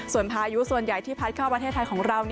ส่วนพายุส่วนใหญ่ที่พัดเข้าประเทศไทยของเรา